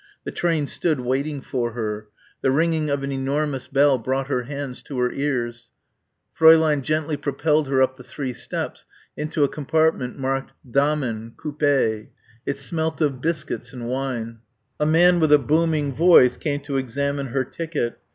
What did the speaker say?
The train stood waiting for her. The ringing of an enormous bell brought her hands to her ears. Fräulein gently propelled her up the three steps into a compartment marked Damen Coupé. It smelt of biscuits and wine. A man with a booming voice came to examine her ticket.